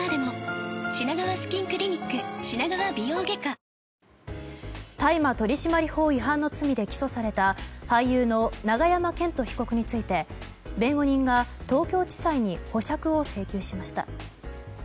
決めるたびにやっぱゴールいいなってふん大麻取締法違反の罪で起訴された俳優の永山絢斗被告について弁護人が東京地裁に保釈を請求しました。